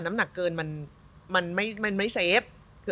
น้ำหนักเกินมันไม่เซฟ